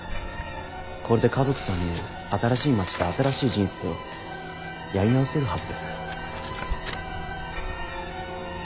これで家族３人で新しい街で新しい人生をやり直せるはずです。